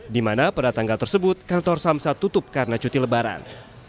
di mana pada tanggal tersebut kantor samsat tutup karena cuti lebaran